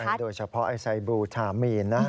ใช่โดยเฉพาะไอไซบูลทามีนะ